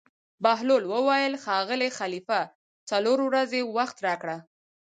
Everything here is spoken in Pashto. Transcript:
بهلول وویل: ښاغلی خلیفه څلور ورځې وخت راکړه.